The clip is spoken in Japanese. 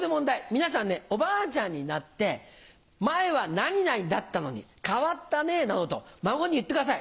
皆さんおばあちゃんになって「前は何々だったのに変わったね」などと孫に言ってください。